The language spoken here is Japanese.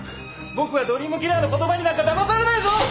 僕はドリームキラーの言葉になんかだまされないぞ！